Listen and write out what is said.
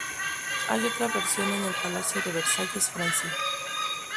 Hay otra versión en el Palacio de Versalles, Francia.